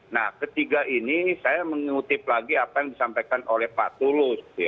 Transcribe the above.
nah ketiga ini saya mengutip lagi apa yang disampaikan oleh pak tulus